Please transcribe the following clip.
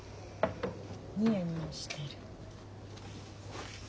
ニヤニヤしてる。